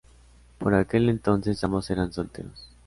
Por aquel entonces, ambos eran solteros.